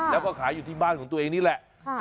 แล้วก็ขายอยู่ที่บ้านของตัวเองนี่แหละ